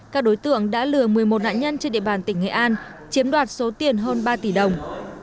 các đối tượng đã lừa một mươi một nạn nhân trên địa bàn tỉnh nghệ an chiếm đoạt số tiền hơn ba tỷ đồng